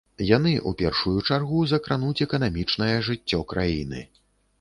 Яны, у першую чаргу, закрануць эканамічнае жыццё краіны.